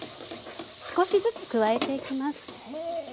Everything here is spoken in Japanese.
少しずつ加えていきます。